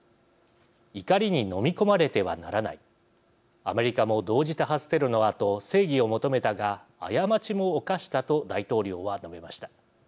怒りに飲み込まれてはならないアメリカも同時多発テロのあと正義を求めたが過ちも犯したと大統領は述べました。